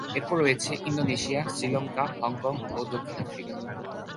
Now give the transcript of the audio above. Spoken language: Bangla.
এরপর রয়েছে ইন্দোনেশিয়া, শ্রীলঙ্কা, হংকং ও দক্ষিণ আফ্রিকা।